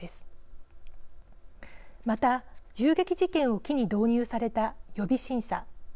また銃撃事件を機に導入された予備審査。